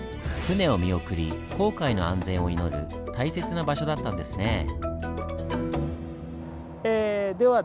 船を見送り航海の安全を祈る大切な場所だったんですね。